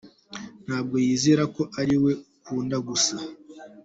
Ntabwo yizera ko ari we ukunda gusa.